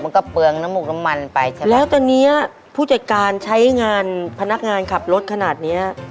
เปลืองน้ำหมกน้ำมันไปใช่ไหมแล้วตอนเนี้ยผู้จัดการใช้งานพนักงานขับรถขนาดเนี้ย